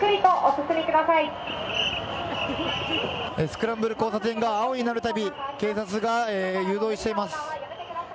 スクランブル交差点が青になるたび警察が誘導しています。